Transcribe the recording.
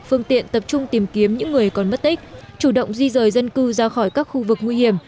phương tiện tập trung tìm kiếm những người còn mất tích chủ động di rời dân cư ra khỏi các khu vực nguy hiểm